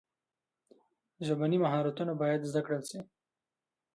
ژبني مهارتونه باید زده کړل سي.